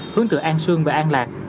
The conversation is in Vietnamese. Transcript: hướng từ an sương và an lạc